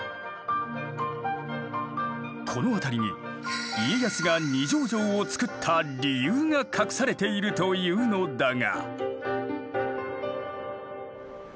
この辺りに家康が二条城を造った理由が隠されているというのだが。